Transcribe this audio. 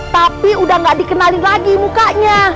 tapi udah gak dikenalin lagi mukanya